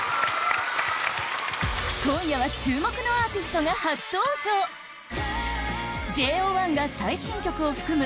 今夜は注目のアーティストが初登場ＪＯ１が最新曲を含む